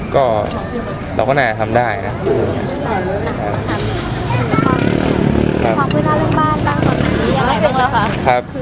ก็เราก็น่าจะทำได้นะ